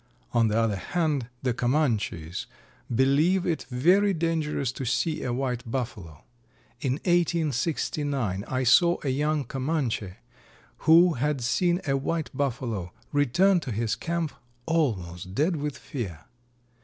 On the other hand, the Comanches believe it very dangerous to see a white Buffalo. In 1869 I saw a young Comanche, who had seen a white Buffalo, return to his camp almost dead with fear.